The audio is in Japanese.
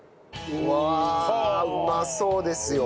うわあ！うまそうですよ。